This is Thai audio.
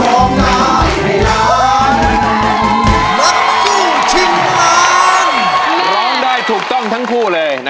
ร้องได้ถูกต้องทั้งคู่เลยนะครับ